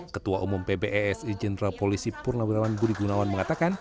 ketua umum pbsi jenderal polisi purnawira wan buri gunawan mengatakan